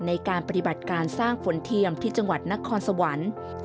ในการปฏิบัติการสร้างฝนเทียมที่จังหวัดนครสวรรค์